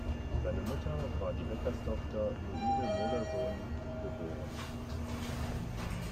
Seine Mutter war die Bäckerstochter Luise Modersohn, geb.